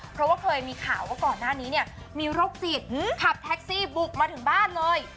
เพราะว่าเคยมีข่าวว่าก่อนหน้านี้เนี่ยมีโรคจิตขับแท็กซี่บุกมาถึงบ้านเลย